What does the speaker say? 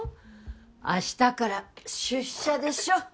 明日から出社でしょ